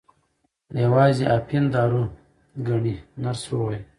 یوازې اپین دارو ګڼي نرس وویل.